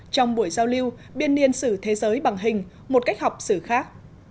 trong buổi giao lưu biên niên sử thế giới bằng hình một cách học xử khác